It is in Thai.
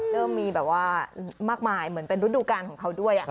เริ่มมีแบบว่ามากมายเหมือนเป็นฤดูการของเขาด้วย